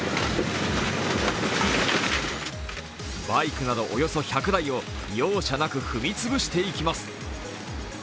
バイクなどおよそ１００台を容赦なく踏みつぶしていきます。